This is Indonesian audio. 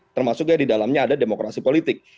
termasuknya di dalamnya ada demokrasi politik